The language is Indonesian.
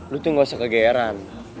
lo tuh nggak usah kegeeran